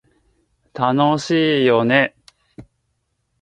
楽しいよね